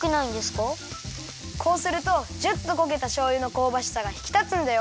こうするとジュっとこげたしょうゆのこうばしさがひきたつんだよ。